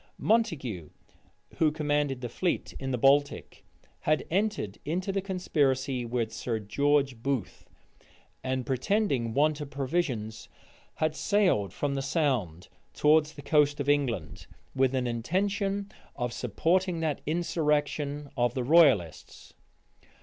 Montague, who commanded the fleet in the Baltic, had entered into the conspiracy with Sir George Booth; and pretending want of provisions, had sailed from the Sound towards the coast of England, with an intention of supporting that insurrection of the royalists.